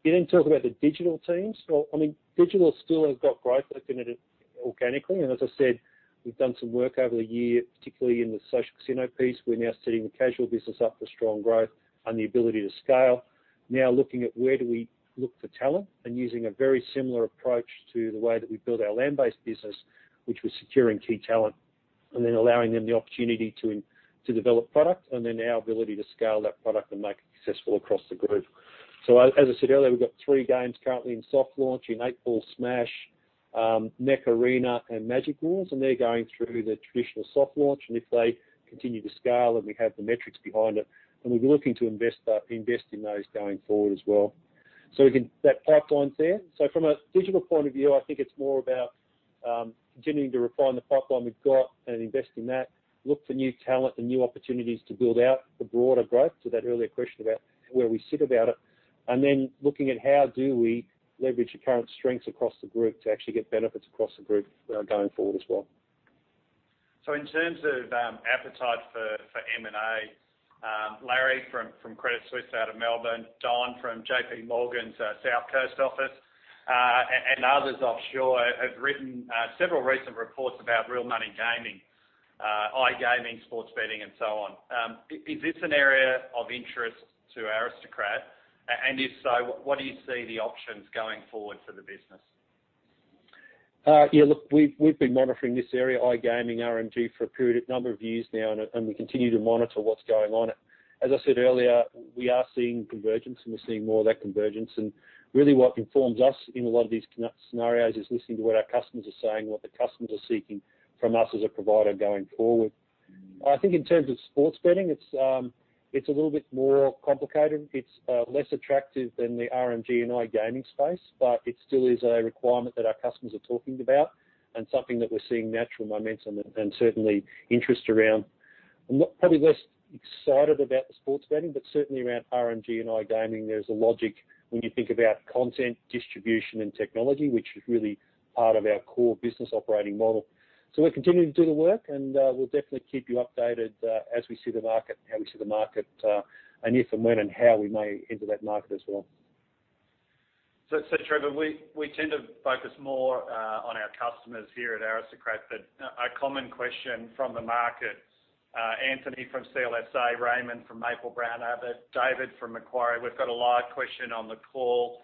You did not talk about the digital teams. I mean, digital still has got growth organically. As I said, we have done some work over the year, particularly in the social casino piece. We are now setting the casual business up for strong growth and the ability to scale. Now looking at where do we look for talent and using a very similar approach to the way that we build our land-based business, which was securing key talent and then allowing them the opportunity to develop product and then our ability to scale that product and make it successful across the group. As I said earlier, we've got three games currently in soft launch: 8 Ball Smash, Mech Arena, and Magic Wars. They're going through the traditional soft launch. If they continue to scale and we have the metrics behind it, then we'll be looking to invest in those going forward as well. That pipeline's there. From a digital point of view, I think it's more about continuing to refine the pipeline we've got and invest in that, look for new talent and new opportunities to build out the broader growth to that earlier question about where we sit about it, and then looking at how do we leverage the current strengths across the group to actually get benefits across the group going forward as well. In terms of appetite for M&A, Larry from Credit Suisse out of Melbourne, Don from JPMorgan's South Coast office, and others offshore have written several recent reports about real money gaming, iGaming, sports betting, and so on. Is this an area of interest to Aristocrat? If so, what do you see the options going forward for the business? Yeah. Look, we've been monitoring this area, iGaming, RMG for a period of number of years now. We continue to monitor what's going on. As I said earlier, we are seeing convergence, and we're seeing more of that convergence. Really what informs us in a lot of these scenarios is listening to what our customers are saying, what the customers are seeking from us as a provider going forward. I think in terms of sports betting, it's a little bit more complicated. It's less attractive than the RMG and iGaming space, but it still is a requirement that our customers are talking about and something that we're seeing natural momentum and certainly interest around. I'm not probably less excited about the sports betting, but certainly around RMG and iGaming, there's a logic when you think about content, distribution, and technology, which is really part of our core business operating model. We are continuing to do the work, and we'll definitely keep you updated as we see the market, how we see the market, and if and when and how we may enter that market as well. Trevor, we tend to focus more on our customers here at Aristocrat. A common question from the market, Anthony from CLSA, Raymond from Maple-Brown Abbott, David from Macquarie. We've got a live question on the call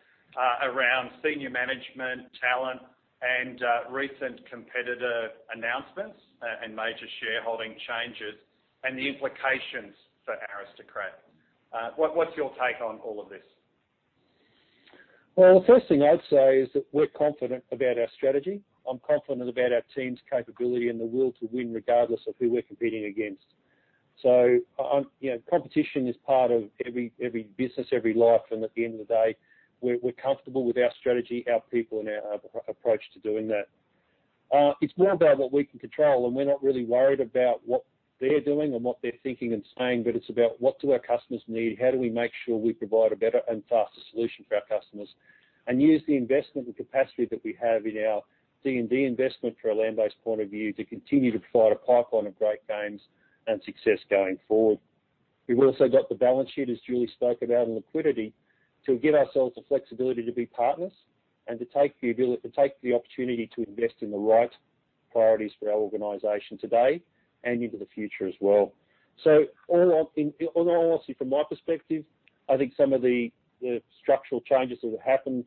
around senior management talent and recent competitor announcements and major shareholding changes and the implications for Aristocrat. What's your take on all of this? The first thing I'd say is that we're confident about our strategy. I'm confident about our team's capability and the will to win regardless of who we're competing against. Competition is part of every business, every life. At the end of the day, we're comfortable with our strategy, our people, and our approach to doing that. It's more about what we can control. We're not really worried about what they're doing and what they're thinking and saying, but it's about what do our customers need? How do we make sure we provide a better and faster solution for our customers and use the investment and capacity that we have in our D&D investment from a land-based point of view to continue to provide a pipeline of great games and success going forward? We've also got the balance sheet, as Julie spoke about, and liquidity to give ourselves the flexibility to be partners and to take the opportunity to invest in the right priorities for our organization today and into the future as well. Honestly, from my perspective, I think some of the structural changes that have happened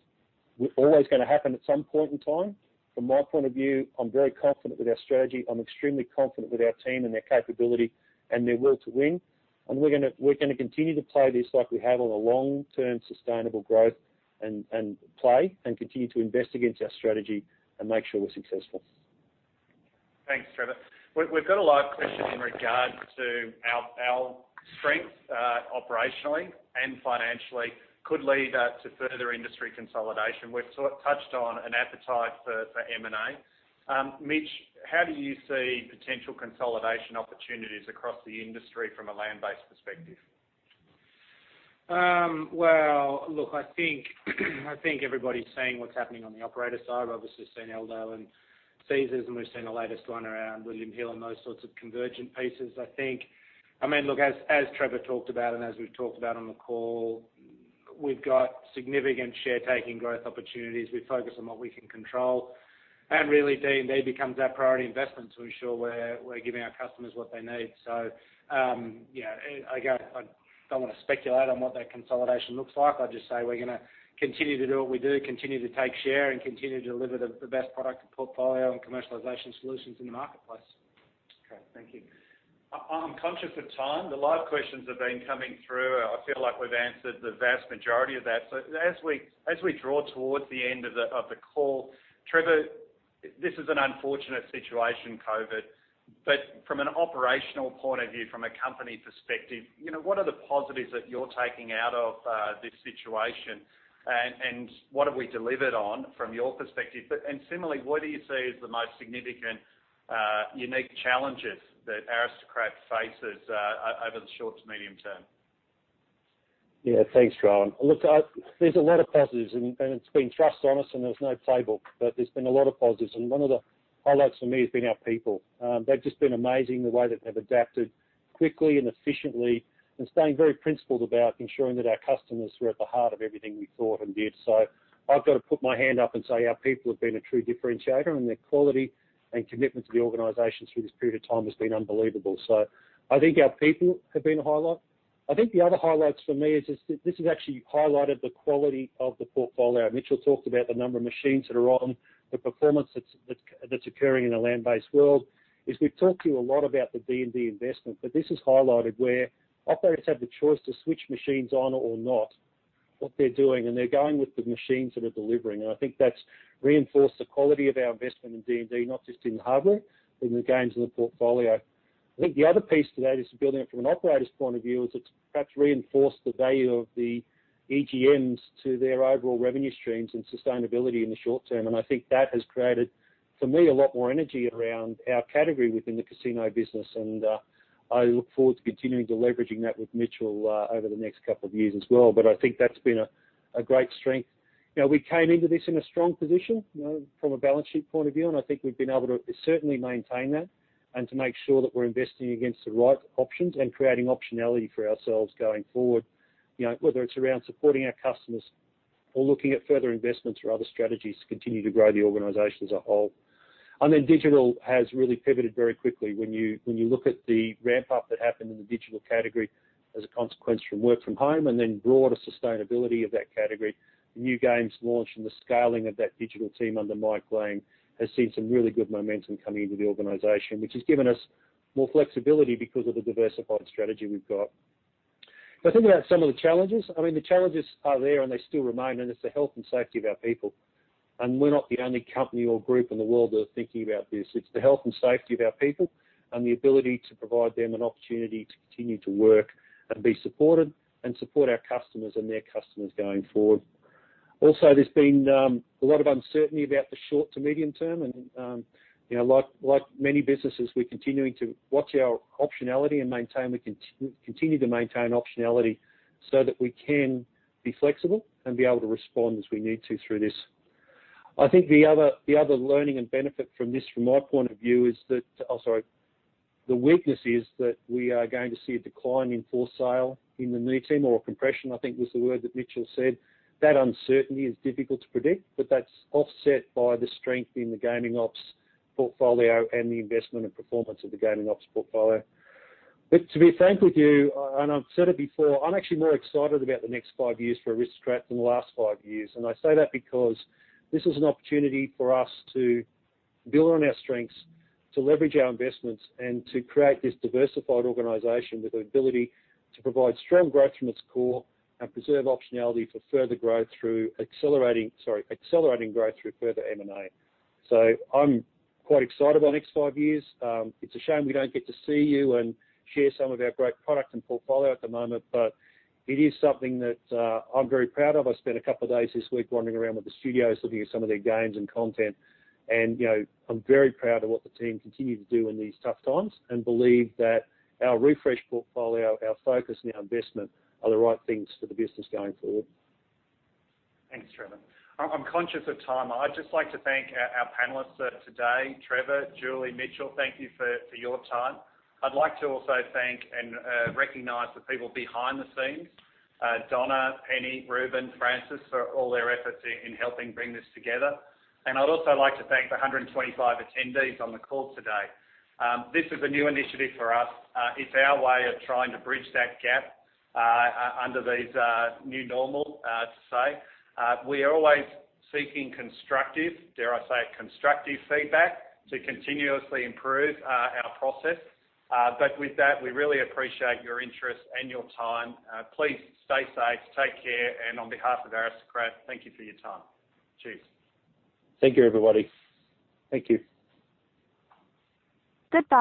are always going to happen at some point in time. From my point of view, I am very confident with our strategy. I am extremely confident with our team and their capability and their will to win. We are going to continue to play this like we have on a long-term sustainable growth and play and continue to invest against our strategy and make sure we are successful. Thanks, Trevor. We've got a live question in regards to our strengths operationally and financially could lead to further industry consolidation. We've touched on an appetite for M&A. Mitch, how do you see potential consolidation opportunities across the industry from a land-based perspective? I think everybody's seeing what's happening on the operator side. We've obviously seen Eldo and Caesars, and we've seen the latest one around William Hill and those sorts of convergent pieces. I mean, as Trevor talked about and as we've talked about on the call, we've got significant share-taking growth opportunities. We focus on what we can control. Really, D&D becomes our priority investment to ensure we're giving our customers what they need. Yeah, I don't want to speculate on what that consolidation looks like. I'd just say we're going to continue to do what we do, continue to take share, and continue to deliver the best product portfolio and commercialization solutions in the marketplace. Okay. Thank you. I'm conscious of time. The live questions have been coming through. I feel like we've answered the vast majority of that. As we draw towards the end of the call, Trevor, this is an unfortunate situation, COVID. From an operational point of view, from a company perspective, what are the positives that you're taking out of this situation? What have we delivered on from your perspective? Similarly, what do you see as the most significant unique challenges that Aristocrat faces over the short to medium term? Yeah. Thanks, Rohan. Look, there's a lot of positives. It's been thrust on us, and there's no playbook. There's been a lot of positives. One of the highlights for me has been our people. They've just been amazing the way that they've adapted quickly and efficiently and staying very principled about ensuring that our customers were at the heart of everything we thought and did. I've got to put my hand up and say our people have been a true differentiator. Their quality and commitment to the organization through this period of time has been unbelievable. I think our people have been a highlight. I think the other highlights for me is this has actually highlighted the quality of the portfolio. Mitchell talked about the number of machines that are on, the performance that's occurring in the land-based world. We've talked to you a lot about the D&D investment, but this has highlighted where operators have the choice to switch machines on or not, what they're doing. They're going with the machines that are delivering. I think that's reinforced the quality of our investment in D&D, not just in hardware, but in the games and the portfolio. I think the other piece to that is building it from an operator's point of view is it's perhaps reinforced the value of the EGMs to their overall revenue streams and sustainability in the short term. I think that has created, for me, a lot more energy around our category within the casino business. I look forward to continuing to leverage that with Mitchell over the next couple of years as well. I think that's been a great strength. We came into this in a strong position from a balance sheet point of view. I think we've been able to certainly maintain that and to make sure that we're investing against the right options and creating optionality for ourselves going forward, whether it's around supporting our customers or looking at further investments or other strategies to continue to grow the organization as a whole. Digital has really pivoted very quickly when you look at the ramp-up that happened in the digital category as a consequence from work from home and then broader sustainability of that category. The new games launch and the scaling of that digital team under Mike Lang has seen some really good momentum coming into the organization, which has given us more flexibility because of the diversified strategy we've got. I think about some of the challenges. I mean, the challenges are there, and they still remain. It is the health and safety of our people. We are not the only company or group in the world that are thinking about this. It is the health and safety of our people and the ability to provide them an opportunity to continue to work and be supported and support our customers and their customers going forward. Also, there has been a lot of uncertainty about the short to medium term. Like many businesses, we are continuing to watch our optionality and continue to maintain optionality so that we can be flexible and be able to respond as we need to through this. I think the other learning and benefit from this, from my point of view, is that—oh, sorry—the weakness is that we are going to see a decline in for sale in the near term or a compression, I think was the word that Mitchell said. That uncertainty is difficult to predict, but that's offset by the strength in the gaming ops portfolio and the investment and performance of the gaming ops portfolio. To be frank with you, and I've said it before, I'm actually more excited about the next five years for Aristocrat than the last five years. I say that because this is an opportunity for us to build on our strengths, to leverage our investments, and to create this diversified organization with the ability to provide strong growth from its core and preserve optionality for further growth through accelerating—sorry—accelerating growth through further M&A. I'm quite excited about the next five years. It's a shame we don't get to see you and share some of our great product and portfolio at the moment, but it is something that I'm very proud of. I spent a couple of days this week wandering around with the studios looking at some of their games and content. I'm very proud of what the team continues to do in these tough times and believe that our refresh portfolio, our focus, and our investment are the right things for the business going forward. Thanks, Trevor. I'm conscious of time. I'd just like to thank our panelists today: Trevor, Julie, Mitchell. Thank you for your time. I'd like to also thank and recognize the people behind the scenes: Donna, Penny, Reuben, Francis for all their efforts in helping bring this together. I'd also like to thank the 125 attendees on the call today. This is a new initiative for us. It's our way of trying to bridge that gap under this new normal, to say. We are always seeking constructive—dare I say it—constructive feedback to continuously improve our process. With that, we really appreciate your interest and your time. Please stay safe. Take care. On behalf of Aristocrat, thank you for your time. Cheers. Thank you, everybody. Thank you. Good.